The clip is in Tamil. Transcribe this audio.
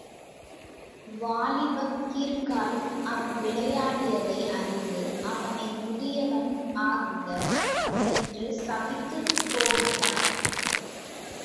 வாலிபக் கிறுக்கால் அவன் விளையாடியதை அறிந்து அவனை முதியவன் ஆகுக என்று சபித்துக் கோபித்தான்.